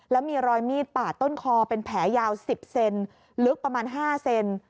แล้วมีรอยมีดปาดต้นคอเป็นแผลยาว๑๐เซนลึกประมาณ๕เซน